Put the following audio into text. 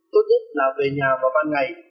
tốt nhất là về nhà vào ban ngày